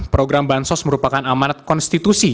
program bahan sos merupakan amanat konstitusi